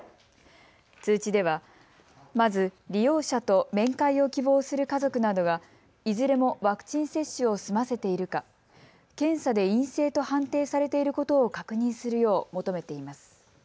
通知ではまず、利用者と面会を希望する家族などがいずれもワクチン接種を済ませているか、検査で陰性と判定されていることを確認するよう求めています。